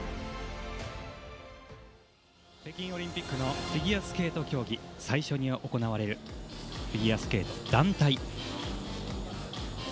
北京オリンピックのフィギュアスケート競技最初に行われるフィギュアスケート団体。